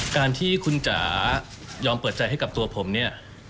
การที่คุณจ๋ายอมเปิดใจให้กับตัวผมเนี่ย